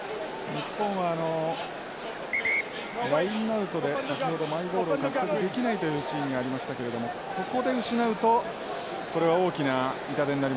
日本はラインアウトで先ほどマイボールを獲得できないというシーンがありましたけれどもここで失うとこれは大きな痛手になります。